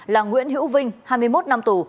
là nguyễn hữu vinh hai mươi một năm tù